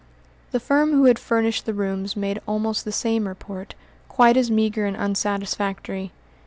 The firm who had furnished the rooms made almost the same report, quite as meagre and unsatisfactory.